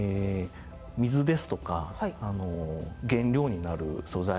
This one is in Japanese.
水ですとか原料になる素材